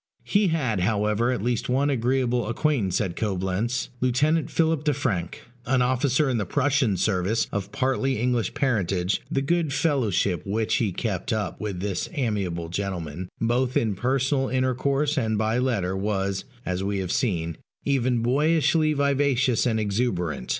He had, however, at least one very agreeable acquaintance at Coblentz Lieutenant Philip de Franck, an officer in the Prussian service, of partly English parentage: the good fellowship which he kept up with this amiable gentleman, both in personal intercourse and by letter, was (as we have seen) even boyishly vivacious and exuberant.